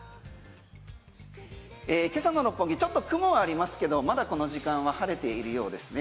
今朝の六本木ちょっと雲はありますけどまだこの時間は晴れているようですね。